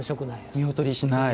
見劣りしない。